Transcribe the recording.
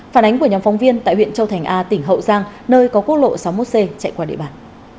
phản ánh của nhóm phóng viên tại huyện châu thành a tỉnh hậu giang nơi có quốc lộ sáu mươi một c chạy qua địa bàn